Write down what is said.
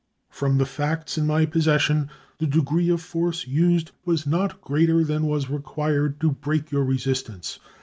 From the facts? BRUTALITY AND TORTURE 22? in my possession the degree of force used was not greater than was required to break your resistance.